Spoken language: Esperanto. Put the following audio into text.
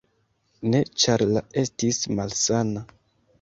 Ne, ĉar la estis malsana.